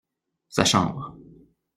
Sa chambre.